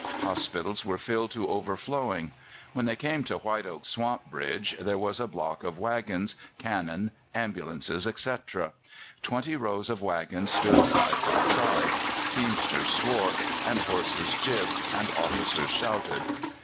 Hospitals were filled to overflowing. When they came to White Oak Swamp Bridge there was a block of waggons, cannon, ambulances, etc. Twenty rows of waggons stood side by side; teamsters swore, and horses gibbed, and officers shouted.